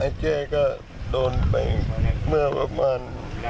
ไอ้แจ้ก็โดนไปเมื่อประมาณ